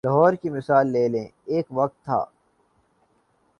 لاہور کی مثال لے لیں، ایک وقت تھا۔